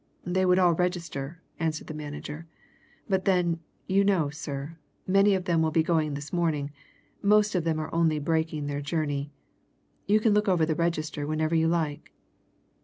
"They would all register," answered the manager. "But then, you know, sir, many of them will be going this morning most of them are only breaking their journey. You can look over the register whenever you like."